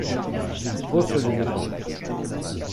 Il hausse les épaules.